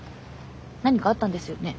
何かあったんですよね？